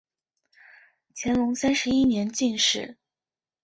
乾隆三十一年进士。